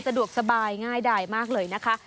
สะดวกสบายง่ายดายมากเลยนะคะ